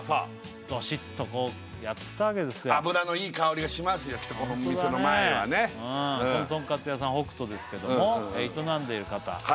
どしっとこうやってきたわけですよ脂のいい香りがしますよきっとこのお店の前はねこのとんかつ屋さん穂久斗ですけども営んでいる方